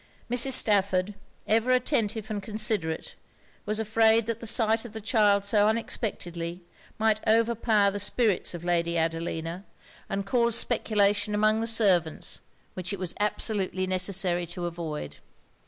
Mrs. Stafford, ever attentive and considerate, was afraid that the sight of the child so unexpectedly, might overpower the spirits of Lady Adelina, and cause speculation among the servants which it was absolutely necessary to avoid.